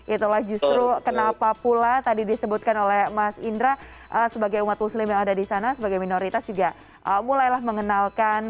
itulah justru kenapa pula tadi disebutkan oleh mas indra sebagai umat muslim yang ada di sana sebagai minoritas juga mulailah mengenalkan